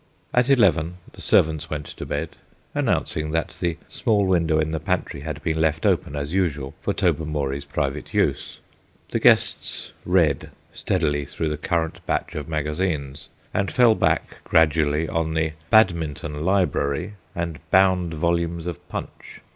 At eleven the servants went to bed, announcing that the small window in the pantry had been left open as usual for Tobermory's private use. The guests read steadily through the current batch of magazines, and fell back gradually, on the "Badminton Library" and bound volumes of PUNCH.